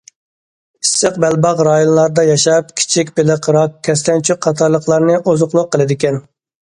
ئىسسىق بەلباغ رايونلاردا ياشاپ، كىچىك بېلىق، راك، كەسلەنچۈك قاتارلىقلارنى ئوزۇقلۇق قىلىدىكەن.